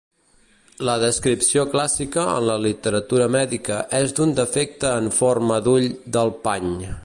La descripció clàssica en la literatura mèdica és d'un defecte en forma d'ull del pany.